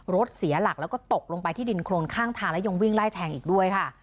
รถเสียหลักแล้วก็ตกลงไปที่ดินโครนข้างทางและยังวิ่งไล่แทงอีกด้วยค่ะ